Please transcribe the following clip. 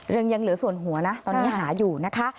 ยังเหลือส่วนหัวนะตอนนี้หาอยู่นะคะ